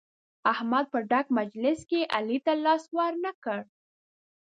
احمد په ډک مجلس کې علي ته لاس ور نه کړ.